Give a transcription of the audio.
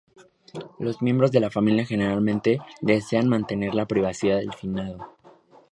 Los miembros de la familia generalmente desean mantener la privacidad del finado.